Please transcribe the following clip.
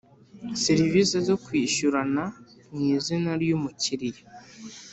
Serivisi zo kwishyurana mu izina ry umukiriya